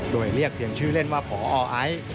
โดยเรียกเพียงชื่อเล่นว่าพอไอซ์